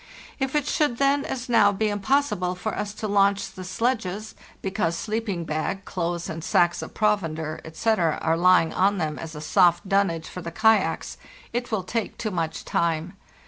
If it should then, as now, be impossible for us to launch the sledges, because sleeping bag, clothes, and sacks of provender, etc., are lying on them as a soft dunnage for the kayaks, it will take too much time.